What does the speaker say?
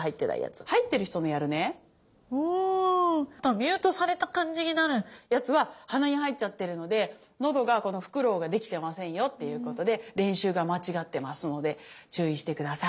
ミュートされた感じになるやつは鼻に入っちゃってるので喉がこのフクロウができてませんよっていうことで練習が間違ってますので注意して下さい。